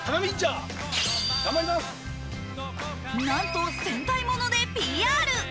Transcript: なんと戦隊ものでＰＲ。